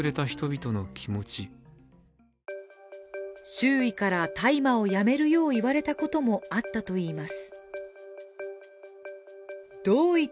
周囲から大麻をやめるよう言われたこともあったといいます。